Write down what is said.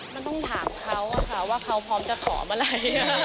มันต้องถามเขาว่าเขาพร้อมจะขอเมื่อไหร่